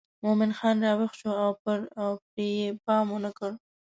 مومن خان راویښ شو او پرې یې پام ونه کړ.